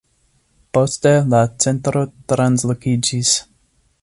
Poste la centro translokiĝis.